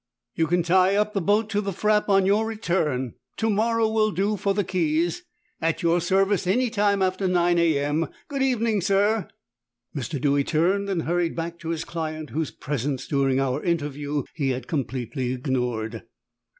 You can tie up the boat to the frape on your return; to morrow will do for the keys; at your service any time after nine a.m. Good evening, sir!" Mr. Dewy turned and hurried back to his client, whose presence during our interview he had completely ignored.